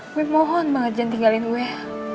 gue mohon banget jangan tinggalin gue